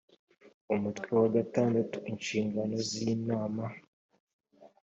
umutwe wa gatandatu inshingano z inama